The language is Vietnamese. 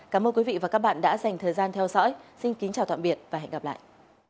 cảm ơn quý vị và các bạn đã theo dõi xin kính chào và hẹn gặp lại